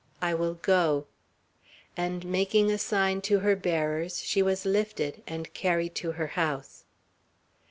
I will go;" and making a sign to her bearers, she was lifted, and carried to her house.